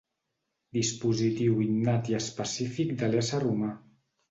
Dispositiu innat i específic de l'ésser humà.